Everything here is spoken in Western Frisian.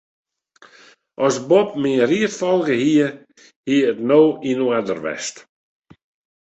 As Bob myn ried folge hie, hie it no yn oarder west.